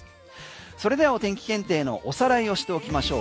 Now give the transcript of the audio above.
それではお天気検定のおさらいをしておきましょう。